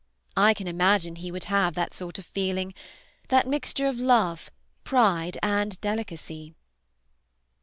I can imagine he would have that sort of feeling, that mixture of love, pride, and delicacy."